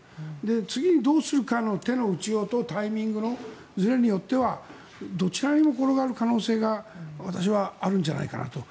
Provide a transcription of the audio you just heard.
次にどうするかの手の打ちようとタイミングのずれによってはどちらにも転がる可能性が私はあるんじゃないかなと。